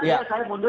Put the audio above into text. kalau saya mundur